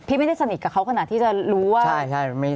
ไม่ได้สนิทกับเขาขนาดที่จะรู้ว่า